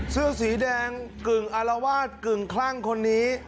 เสื้อสีแดงกึ่งอารวาสกึ่งคลั่งคนนี้